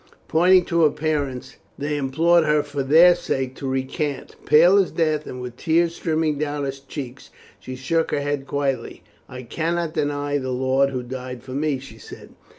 Pointing to her parents, they implored her for their sake to recant. Pale as death, and with tears streaming down her cheeks, she shook her head quietly. "I cannot deny the Lord who died for me," she said.